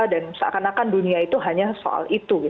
dan seakan akan dunia itu hanya soal itu